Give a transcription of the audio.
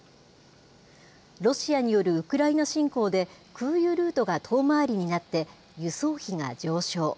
ロシアによるウクライナ侵攻で、空輸ルートが遠回りになって、輸送費が上昇。